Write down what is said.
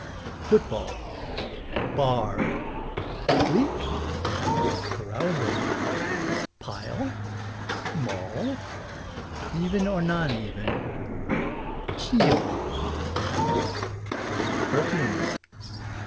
Foot ball Bar Gleek Carousal Pile Mall Even or non even Keel Perfumes.